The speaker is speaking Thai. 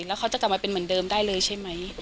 แล้วเขาจะกลับมาเป็นเหมือนเดิมได้เลยใช่ไหม